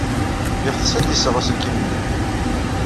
Yeɣtes ad d-iseɣ aselkim-nni.